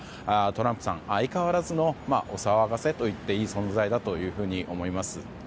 トランプさん、相変わらずのお騒がせと言っていい存在だと思います。